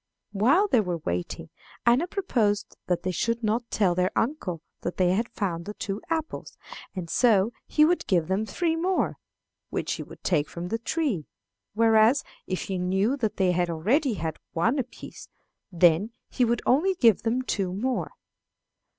While they were waiting Anna proposed that they should not tell their uncle that they had found the two apples, and so he would give them three more, which he would take from the tree; whereas, if he knew that they had already had one apiece, then he would only give them two more.